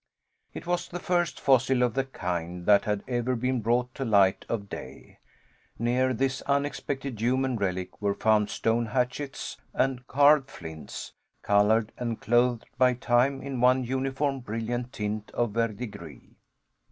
It was the first fossil of the kind that had ever been brought to the light of day. Near this unexpected human relic were found stone hatchets and carved flints, colored and clothed by time in one uniform brilliant tint of verdigris.